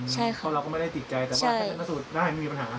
ใช่ค่ะเราก็ไม่ได้ติดใจแต่ว่าชันสูตรได้ไม่มีปัญหา